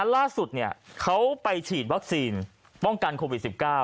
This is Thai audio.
ล่าสุดเขาไปฉีดวัคซีนป้องกันโควิด๑๙